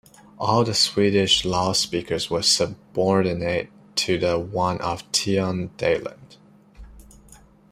All the Swedish lawspeakers were subordinate to the one of Tiundaland.